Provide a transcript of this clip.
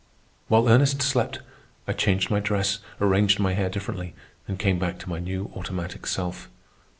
While Ernest slept, I changed my dress, arranged my hair differently, and came back to my new automatic self.